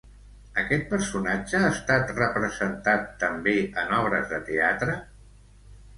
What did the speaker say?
Aquest personatge ha estat representat també en obres de teatre?